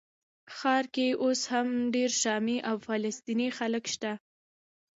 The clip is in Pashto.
ښار کې اوس هم ډېر شامي او فلسطیني خلک شته.